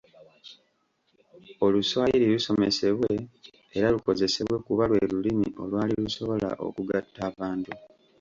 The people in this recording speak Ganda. Oluswayiri lusomesebwe era lukozesebwe kuba lwe Lulimi olwali lusobola okugatta abantu.